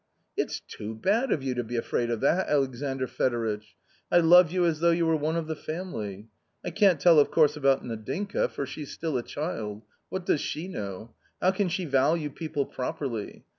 "It's too bad of you to be afraid of that, Alexandr Fedoritch ! I love you as though you were one of the family. I can't tell of course about Nadinka, for she's still a child ; what does she know ? how can she value people properly